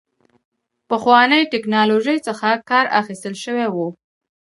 پخوانۍ ټکنالوژۍ څخه کار اخیستل شوی و.